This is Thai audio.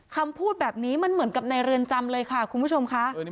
คำพูดแบบนี้มันเหมือนกับในเรือนจำเลยค่ะคุณผู้ชมค่ะ